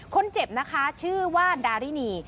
คนเจ็บนะคะชื่อว่าดารินี